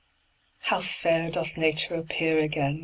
How fair doth Nature Appear again!